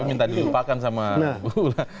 tapi minta dilupakan sama bu